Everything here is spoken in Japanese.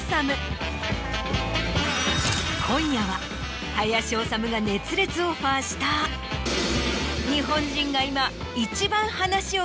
今夜は林修が熱烈オファーした日本人が。